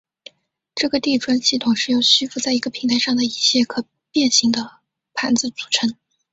这个地砖系统是由虚浮在一个平台上的一些可变型的盘子组成。